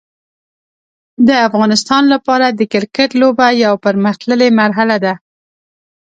د افغانستان لپاره د کرکټ لوبه یو پرمختللی مرحله ده.